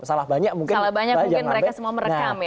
salah banyak mungkin mereka semua merekam ya